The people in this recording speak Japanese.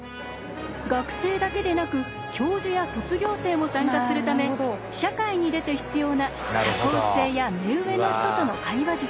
学生だけでなく教授や卒業生も参加するため社会に出て必要な社交性や目上の人との会話術